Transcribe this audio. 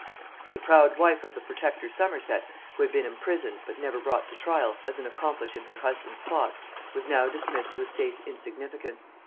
The proud wife of the protector Somerset, who had been imprisoned, but never brought to trial, as an accomplice in her husband's plots, was now dismissed to a safe insignificance.